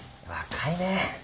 若いね。